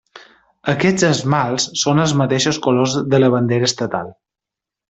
Aquests esmalts són els mateixos colors de la bandera estatal.